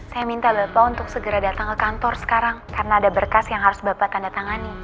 saya minta bapak untuk segera datang ke kantor sekarang karena ada berkas yang harus bapak tanda tanganin